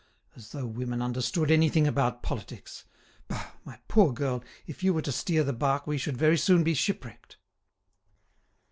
As though women understood anything about politics! Bah, my poor girl, if you were to steer the bark we should very soon be shipwrecked."